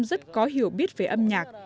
rất có hiểu biết về âm nhạc